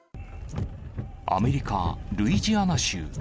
アメリカ・ルイジアナ州。